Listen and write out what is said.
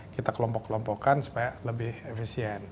kita kelompok kelompokkan supaya lebih efisien